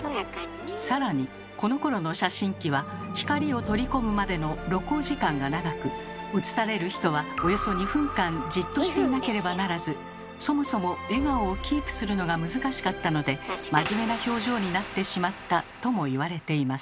更にこのころの写真機は写される人はおよそ２分間じっとしていなければならずそもそも笑顔をキープするのが難しかったので真面目な表情になってしまったとも言われています。